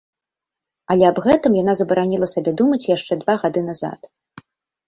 Але аб гэтым яна забараніла сабе думаць яшчэ два гады назад.